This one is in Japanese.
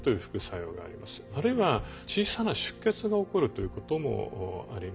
あるいは小さな出血が起こるということもあります。